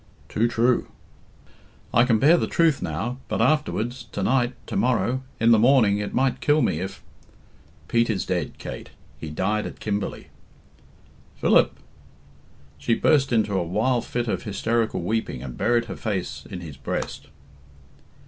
"Too true." "I can bear the truth now but afterwards to night tomorrow in the morning it might kill me if " "Pete is dead, Kate; he died at Kimberley." "Philip!" She burst into a wild fit of hysterical weeping, and buried her face his his breast.